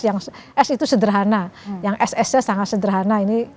yang s itu sederhana yang ss sangat sederhana ini